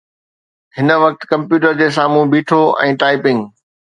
هن وقت ڪمپيوٽر جي سامهون بيٺو ۽ ٽائپنگ